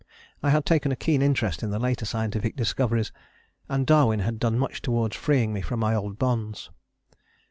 I had taken a keen interest in the later scientific discoveries, and Darwin had done much towards freeing me from my old bonds.